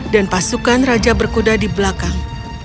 dan pasukan raja berkuda di belakang